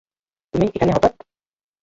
তুমি এখানে হঠাৎ?